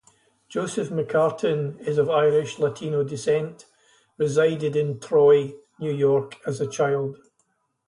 Joseph McCartin is of Irish-Latino descent, resided in Troy, New York as a child.